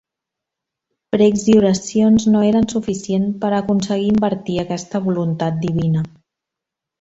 Precs i oracions no eren suficient per a aconseguir invertir aquesta voluntat divina.